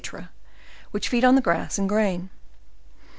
which feed on the grass and grain.